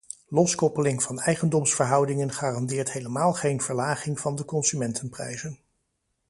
Loskoppeling van eigendomsverhoudingen garandeert helemaal geen verlaging van de consumentenprijzen.